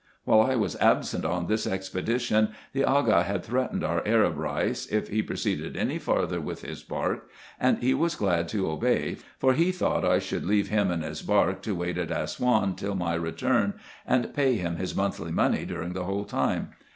While I was absent on this expedition, the Aga had threatened our Arab Reis, if he proceeded any farther with his bark ; and he was glad to obey, for he thought I should leave him and his bark to wait at Assouan till my return, and pay him his monthly money during the whole time.